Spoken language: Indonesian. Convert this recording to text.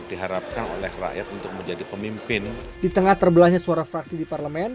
di tengah terbelahnya suara fraksi di parlemen